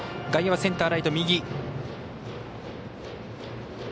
外野はセンター、ライト右。